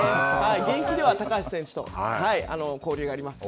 現役では高橋選手と交流があります。